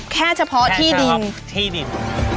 แค่เฉพาะที่ดิน